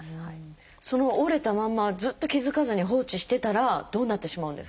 その折れたまんまずっと気付かずに放置してたらどうなってしまうんですか？